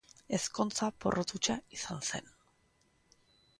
Ezkontza porrot hutsa izan zen.